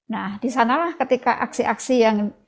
nah di sanalah ketika aksi aksi yang